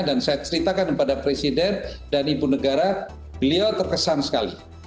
dan saya cerita kepada presiden dan ibu negara beliau terkesan sekali